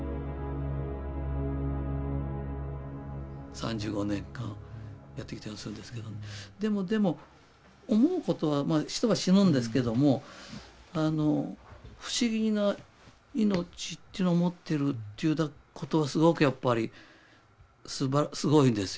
３５年間やってきたりするんですけどでも思うことは人は死ぬんですけども不思議な命というものを持っているということはすごくやっぱりすごいんですよね。